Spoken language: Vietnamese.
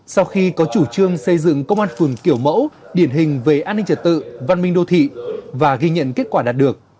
sau khi có chủ trương xây dựng công an phường kiểu mẫu điển hình về an ninh trật tự văn minh đô thị và ghi nhận kết quả đạt được